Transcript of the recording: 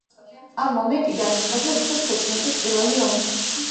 ამ მომენტიდან იწყება რუსეთ-ჩეჩნეთის პირველი ომი.